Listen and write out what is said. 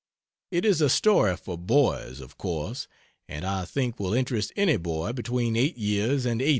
It is a story for boys, of course, and I think will interest any boy between 8 years and 80.